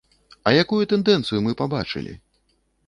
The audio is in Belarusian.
А якую тэндэнцыю мы пабачылі?